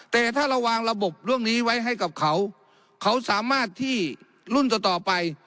แต่ถ้าเราวางระบบเรื่องนี้ไว้ให้กับเขาเขาสามารถที่รุ่นต่อต่อไป